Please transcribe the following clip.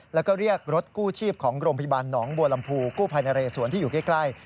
แล้วก็เรียกรถกู้ชีพของโรงพยาบาลหนองบัวลำพูกู้ภัยนะเรสวนที่อยู่ใกล้